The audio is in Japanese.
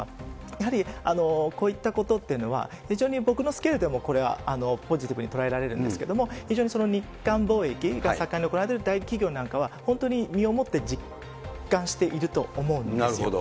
やはりこういったことっていうのは、非常に僕のスケールでもポジティブに捉えられるんですけれども、非常に日韓貿易が盛んな大企業なんかは本当に身をもって実感していると思うんですよ。